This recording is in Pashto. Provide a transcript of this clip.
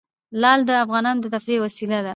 لعل د افغانانو د تفریح یوه وسیله ده.